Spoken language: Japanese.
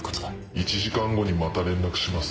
１時間後にまた連絡します。